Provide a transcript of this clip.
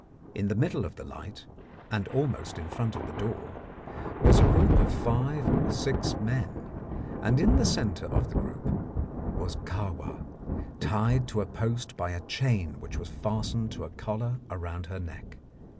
In the middle of the light, and almost in front of the door, was a group of five or six men, and in the centre of the group was Kahwa, tied to a post by a chain which was fastened to a collar round her neck.